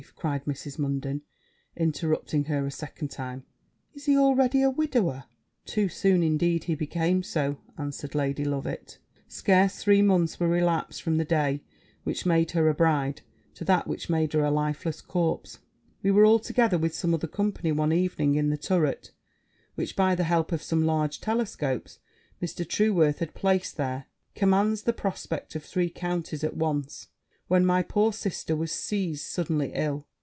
cried Mrs. Munden, interrupting her a second time: 'is he already a widower?' 'Too soon, indeed, he became so!' answered Lady Loveit. 'Scarce three months were elapsed from that day which made her a bride to that which made her a lifeless corpse: we were all together, with some other company, one evening in the turret, which, by the help of some large telescopes Mr. Trueworth had placed there, commands the prospect of three counties at once, when my poor sister was seized suddenly ill.